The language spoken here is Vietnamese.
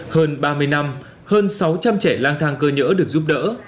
hơn ba mươi năm hơn sáu trăm linh trẻ lang thang cơ nhỡ được giúp đỡ